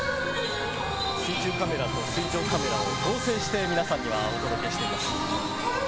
水中カメラと水上カメラを合成して皆さんにはお届けしています。